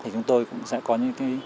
chúng tôi cũng sẽ có những